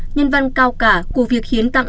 nhân văn cao cả của việc hiến tặng